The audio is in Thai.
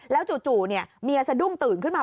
แล้วจู่เมียสะดุ้งตื่นขึ้นมา